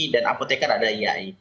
dan apotekar adalah iai